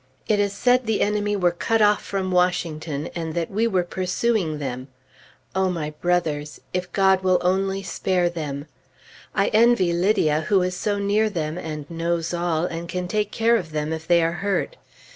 It is said the enemy were cut off from Washington, and that we were pursuing them. O my brothers! If God will only spare them! I envy Lydia who is so near them, and knows all, and can take care of them if they are hurt.